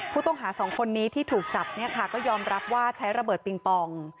พูดต้องหา๒คนนี้ที่ถูกจับก็ยอมรับว่าใช้ระเบิดปิงปอง